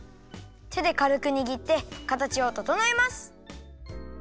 てでかるくにぎってかたちをととのえます。